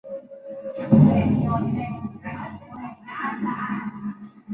El siguiente diagrama muestra a las localidades en un radio de de Five Forks.